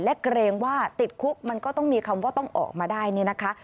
และเกรงว่าติดคุกมันก็ต้องมีคำว่าต้องออกมาได้เนี่ยนะคะ